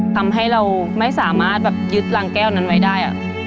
ทำให้เราไม่สามารถแบบยึดรังแก้วนั้นไว้ได้